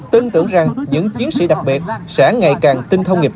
tin tưởng rằng những chiến sĩ đặc biệt sẽ ngày càng tin thông nghiệp vụ